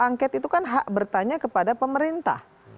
angket itu kan hak bertanya kepada pemerintah